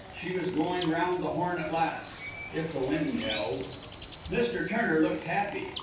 She was going around the Horn at last... if the wind held. Mr. Turner looked happy.